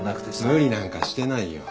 無理なんかしてないよ。